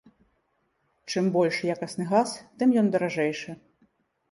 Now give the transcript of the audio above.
Чым больш якасны газ, тым ён даражэйшы.